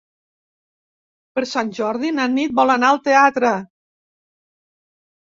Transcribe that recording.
Per Sant Jordi na Nit vol anar al teatre.